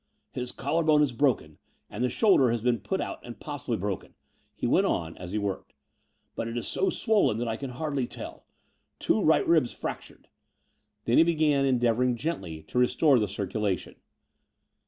"His collar bone is broken, and the shoulder has been put out and possibly broken," he went on, as he worked; "but it is so swollen that I can hardly tell. Two right ribs fractured." Then he began endeavouring gently to restore the circulation.